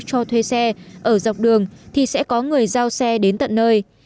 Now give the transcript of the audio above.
cho thuê xe ở dọc đường thì sẽ có người giao xe đến tận nơi